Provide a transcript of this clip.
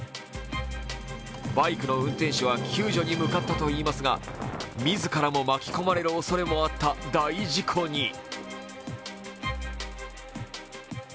バイクの運転手は救助に向かったといいますが自らも巻き込まれるおそれもあった大事故に。